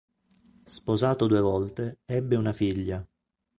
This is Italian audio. Sposato due volte, ebbe una figlia.